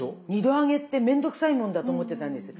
２度揚げってめんどくさいもんだと思ってたんです。